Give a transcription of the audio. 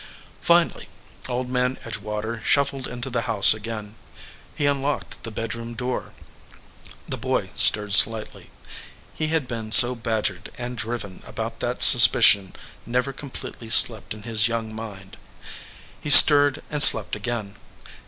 Finally Old Man Edgewater shuffled into the house again. He unlocked the bedroom door. The boy stirred slightly. He had been so badgered and driven about that suspicion never completely slept in his young mind. He stirred, and slept again.